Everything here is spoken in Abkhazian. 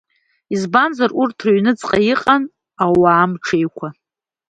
Избанзар, урҭ рыҩнуҵаҟа иҟан ауаа мҽеиқәа.